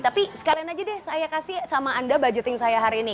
tapi sekalian aja deh saya kasih sama anda budgeting saya hari ini